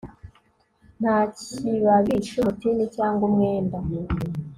Nta kibabi cyumutini cyangwa umwenda